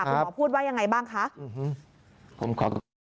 คุณหมอพูดว่ายังไงบ้างคะ